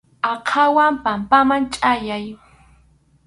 Aqhawan pampaman chʼallay.